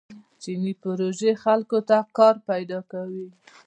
چیني پروژې خلکو ته کار پیدا کوي.